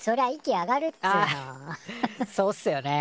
あっそうっすよね。